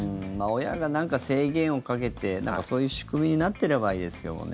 親がなんか制限をかけてそういう仕組みになってればいいですけどね。